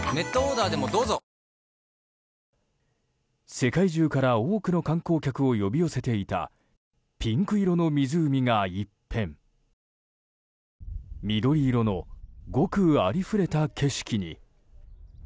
世界中から多くの観光客を呼び寄せていたピンク色の湖が一変緑色のごくありふれた景色に。